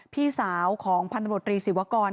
ปี๖๕วันเช่นเดียวกัน